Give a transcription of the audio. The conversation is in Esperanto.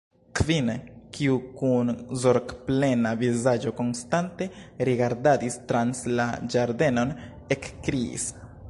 Kvin, kiu kun zorgplena vizaĝo konstante rigardadis trans la ĝardenon, ekkriis.